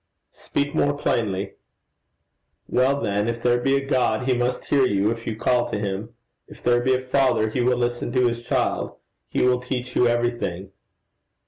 'Speak more plainly.' 'Well then: if there be a God, he must hear you if you call to him. If there be a father, he will listen to his child. He will teach you everything.'